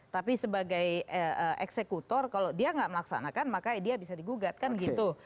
tapi sebagai eksekutor kalau dia tidak melaksanakan maka dia bisa digugatkan gitu